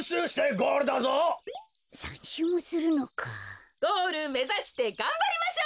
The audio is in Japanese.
ゴールめざしてがんばりましょう！